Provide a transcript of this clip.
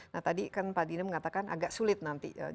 nah tadi kan pak dina mengatakan agak sulit nanti